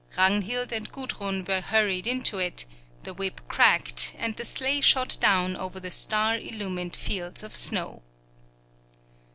Ragnhild and Gudrun were hurried into it, the whip cracked, and the sleigh shot down over the star illumined fields of snow.